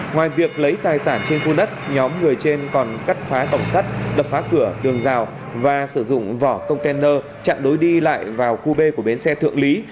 ngoài việc lấy tài sản trên khu nất nhóm người trên còn cắt phá cổng sắt đập phá cửa đường rào và sử dụng vỏ container chặn đối đi lại vào qb của bến xe thượng lý